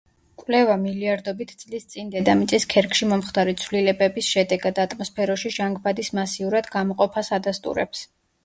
კვლევა მილიარდობით წლის წინ დედამიწის ქერქში მომხდარი ცვლილებების შედეგად, ატმოსფეროში ჟანგბადის მასიურად გამოყოფას ადასტურებს.